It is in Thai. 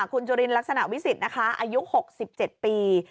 คุณจุลินลักษณะวิสิทธิ์นะคะอายุ๖๗ปี